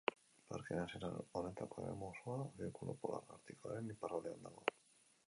Parke Nazional honetako eremu osoa Zirkulu polar artikoaren iparraldean dago.